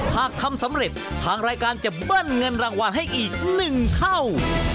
หากทำสำเร็จทางรายการจะเบิ้ลเงินรางวัลให้อีก๑เท่า